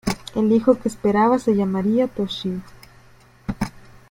El hijo que esperaba se llamaría Toshio.